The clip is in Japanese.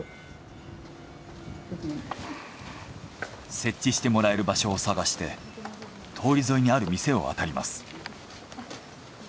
設置してもらえる場所を探して通り沿いにある店をあたります。